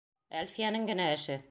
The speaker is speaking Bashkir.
Әлфиәнең генә эше!